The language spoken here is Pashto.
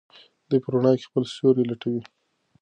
دی په رڼا کې خپل سیوری لټوي.